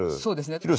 そうですね。